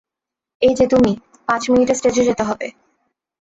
এই যে তুমি, পাঁচ মিনিটে স্টেজে যেতে হবে।